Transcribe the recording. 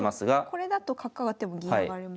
これだと角上がっても銀上がれますもんね。